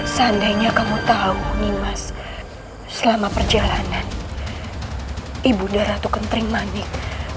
seandainya kamu tahu nimas selama perjalanan ibu nda ratu kentering manik